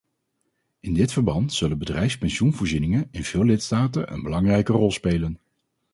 In dit verband zullen bedrijfspensioenvoorzieningen in veel lidstaten een belangrijke rol spelen.